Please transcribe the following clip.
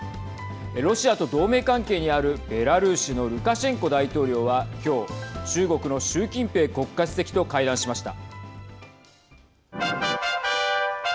ロシアと同盟関係にあるベラルーシのルカシェンコ大統領は今日中国の習近平国家主席と会談しました。